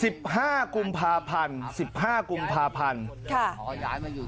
สิบห้ากุมภาพันธ์สิบห้ากุมภาพันธ์ค่ะขอย้ายมาอยู่